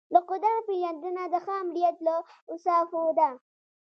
د قدرت پیژندنه د ښه آمریت له اوصافو ده.